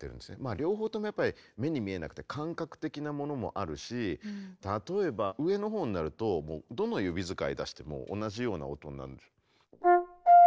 両方ともやっぱり目に見えなくて感覚的なものもあるし例えば上のほうになるとどの指使いで出しても同じような音になるんです。